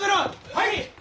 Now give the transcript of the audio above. はい！